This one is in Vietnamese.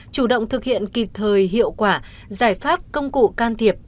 chủ động thực hiện kịp thời hiệu quả giải pháp công cụ can thiệp